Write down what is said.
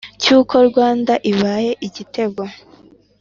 cy'uko rwanda ibaye igitego.